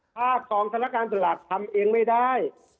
ถ้ากองธนักการตลาดทำเองไม่ได้